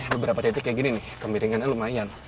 beberapa titiknya gini nih kemiringannya lumayan